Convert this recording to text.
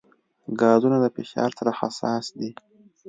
ګازونه د فشار سره حساس دي.